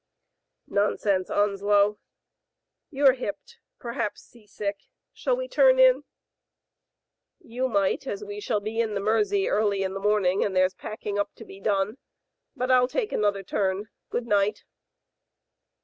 "Nonsense, Onslow, you are hipped; perhaps g^asick. Shall we turn in?" Digitized by Google H, JV. LUCY, 2S3 "You might, as we shall be in the Mersey early in the morning and there's packing up to be done. But ril take another turn. Good night."